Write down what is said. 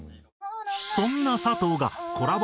そんな佐藤がコラボ